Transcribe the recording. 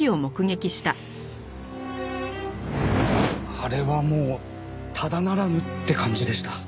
あれはもうただならぬって感じでした。